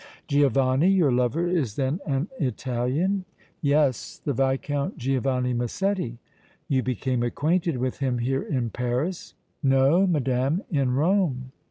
"Giovanni? Your lover is then an Italian?" "Yes, the Viscount Giovanni Massetti." "You became acquainted with him here in Paris?" "No, madame; in Rome."